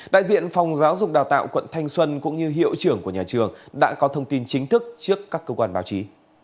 đại diện phòng giáo dục đào tạo quận thanh xuân cũng như hiệu trưởng của nhà trường đã có thông tin chính thức trước các cơ quan báo chí